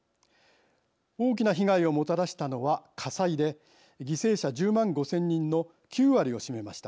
大きな被害をもたらしたのは火災で犠牲者１０万５，０００人の９割を占めました。